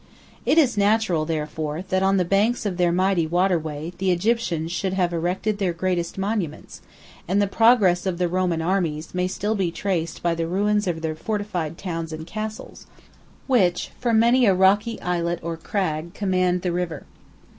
It is natural, therefore, that on the banks of their mighty waterway the Egyptians should have erected their greatest monuments, and the progress of the Roman armies may still be traced by the ruins of their fortified towns and castles, which, from many a rocky islet or crag, command the river.